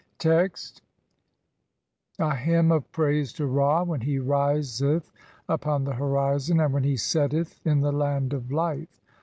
33 Text: (l) A HYMN OF PRAISE TO Ra WHEN HE RISETH UPON THE HORIZON, AND WHEN HE SETTETH IN THE LAND OF LIFE.